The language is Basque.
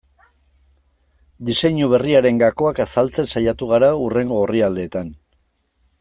Diseinu berriaren gakoak azaltzen saiatu gara hurrengo orrialdeetan.